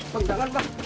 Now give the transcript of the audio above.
bang jangan udah